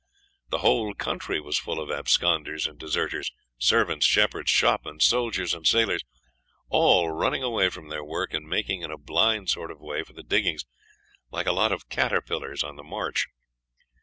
The whole country was full of absconders and deserters, servants, shepherds, shopmen, soldiers, and sailors all running away from their work, and making in a blind sort of way for the diggings, like a lot of caterpillars on the march.